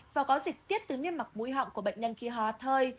và có dịch tiết tứ nhiên mặc mũi họng của bệnh nhân khi hoa thơi